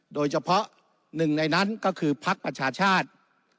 โดยเฉพาะ๑ในนั้นก็คือพักประชาชาติ